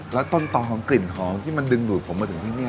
แล้วต้นต่อของกลิ่นของที่มันดึงดูดผมมาจนกว่าสิบปี